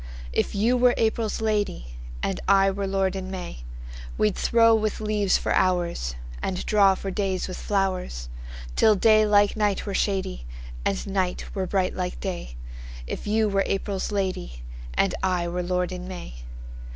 If you were April's lady, And I were lord in May, We'd throw with leaves for hoursAnd draw for days with flowers, Till day like night were shadyAnd night were bright like day; If you were April's lady, And I were lord in May.